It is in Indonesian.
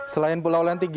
selain pulau lentik